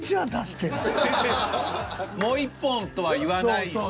「もう１本」とは言わないし。